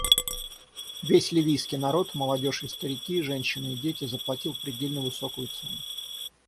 Весь ливийский народ — молодежь и старики, женщины и дети — заплатил предельно высокую цену.